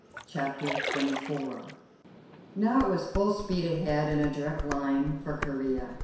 CHAPTER XXIV Now it was full speed ahead and a direct line for Corea.